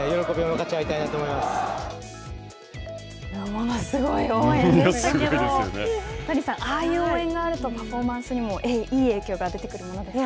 ものすごい応援でしたけど谷さん、ああいう応援があるとパフォーマンスにもいい影響が出てくるものですか。